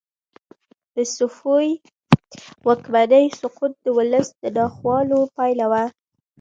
د صفوي واکمنۍ سقوط د ولس د ناخوالو پایله وه.